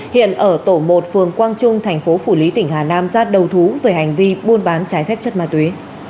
hiện ở tổ một phường quang trung thành phố phủ lý tỉnh hà nam ra đầu thú về hành vi buôn bán trái phép chất ma túy